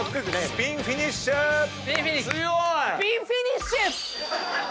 スピンフィニッシュ！